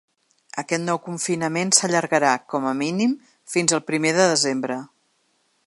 Aquest nou confinament s’allargarà, com a mínim, fins el primer de desembre.